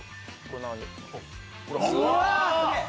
すげえ！